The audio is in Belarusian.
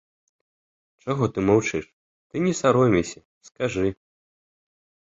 Чаго ты маўчыш, ты не саромейся, скажы.